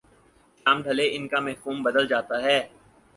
شام ڈھلے ان کا مفہوم بدل جاتا ہے۔